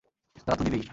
তা তো দিবেই।